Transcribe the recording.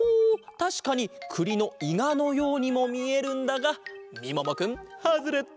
たしかにくりのいがのようにもみえるんだがみももくんハズレット！